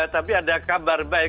tapi ada kabar baik